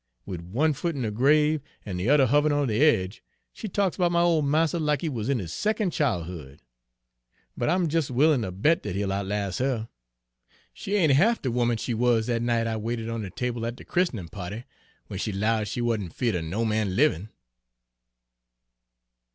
Wid one foot in de grave, an' de other hov'rin' on de edge, she talks 'bout my ole marster lack he wuz in his secon' chil'hood. But I'm jes' willin' ter bet dat he'll outlas' her! She ain't half de woman she wuz dat night I waited on de table at de christenin' pa'ty, w'en she 'lowed she wuzn' feared er no man livin'."